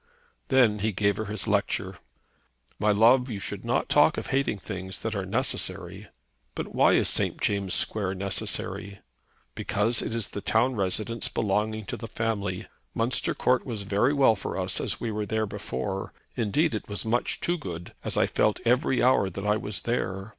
Then he gave her his lecture. "My love, you should not talk of hating things that are necessary." "But why is St. James' Square necessary?" "Because it is the town residence belonging to the family. Munster Court was very well for us as we were before. Indeed, it was much too good, as I felt every hour that I was there.